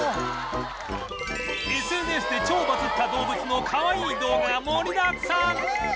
ＳＮＳ で超バズった動物のかわいい動画が盛りだくさん！